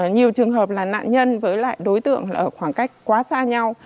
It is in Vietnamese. nhiều trường hợp là nạn nhân với lại đối tượng ở khoảng cách quá xa nhau